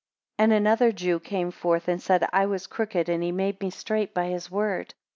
25 And another Jew came forth, and said I was crooked, and he made me straight by his word.